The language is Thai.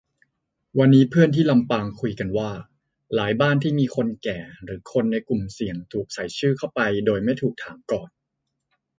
วันนี้เพื่อนที่ลำปางคุยกันว่า หลายบ้านที่มีคนแก่หรือคนในกลุ่มเสี่ยง ถูกใส่ชื่อเข้าไปโดยไม่ถูกถามก่อน